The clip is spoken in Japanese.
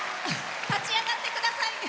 立ち上がってください！